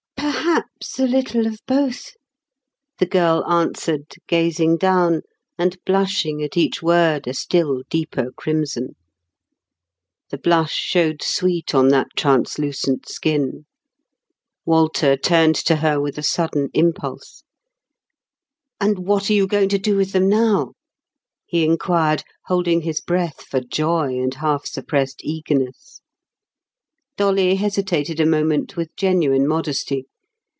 "Perhaps a little of both," the girl answered, gazing down, and blushing at each word a still deeper crimson. The blush showed sweet on that translucent skin. Walter turned to her with a sudden impulse. "And what are you going to do with them now?" he enquired, holding his breath for joy and half suppressed eagerness. Dolly hesitated a moment with genuine modesty.